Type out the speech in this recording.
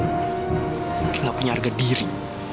mungkin gak punya harga diri